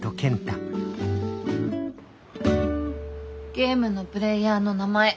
ゲームのプレーヤーの名前